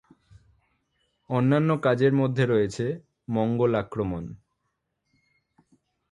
অন্যান্য কাজের মধ্যে রয়েছে: মঙ্গল আক্রমণ!